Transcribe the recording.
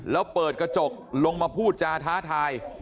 แล้วเปิดกระจกลงมาพูดจาท้าทาย